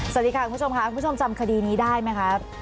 สวัสดีค่ะคุณผู้ชมค่ะคุณผู้ชมจำคดีนี้ได้ไหมคะ